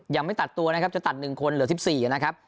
ยังไม่ตัดตัวนะครับจะตัดหนึ่งคนเหลือสิบสี่อะนะครับ